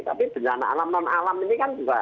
tapi bencana alam non alam ini kan juga